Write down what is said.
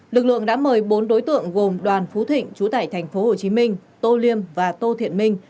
lực lượng đã mời bốn đối tượng gồm đoàn phú thịnh chú tải tp hcm tô liêm và tô thiện minh